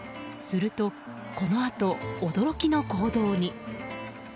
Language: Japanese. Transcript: すると、このあと驚きの行動に。